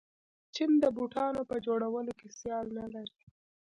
چین د بوټانو په جوړولو کې سیال نلري.